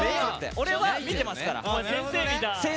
俺は見てますから。